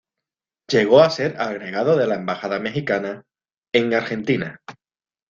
Llegó a ser agregado de la embajada mexicana en Argentina.